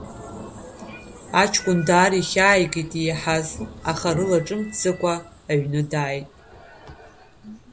Аҷкәын даара ихьааигеит иаҳаз, аха рылаҿимҭӡакәа аҩны дааит.